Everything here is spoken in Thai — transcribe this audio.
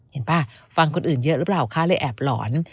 ป่ะฟังคนอื่นเยอะหรือเปล่าคะเลยแอบหลอน